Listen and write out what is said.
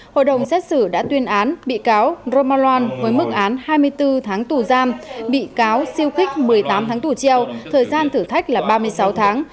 hội đồng xét xử đã tuyên án bị cáo roman với mức án hai mươi bốn tháng tù giam bị cáo siêu kích một mươi tám tháng tù treo thời gian thử thách là ba mươi sáu tháng